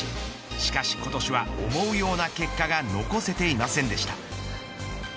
しかし今年は思うような結果が残せていませんでした。